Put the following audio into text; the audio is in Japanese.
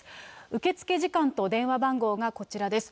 受け付け時間と電話番号がこちらです。